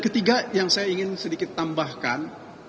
ketiga yang saya ingin sedikit tambahkan